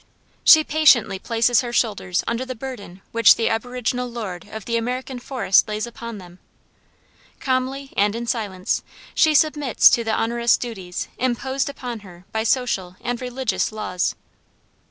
She patiently places her shoulders under the burden which the aboriginal lord of the American forest lays upon them. Calmly and in silence she submits to the onerous duties imposed upon her by social and religious laws.